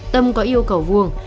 tâm có yêu cầu vuông